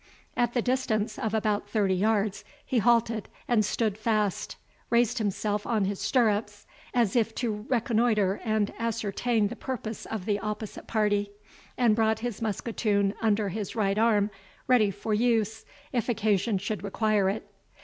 At the distance of about thirty yards he halted and stood fast, raised himself on his stirrups, as if to reconnoitre and ascertain the purpose of the opposite party, and brought his musketoon under his right arm, ready for use, if occasion should require it.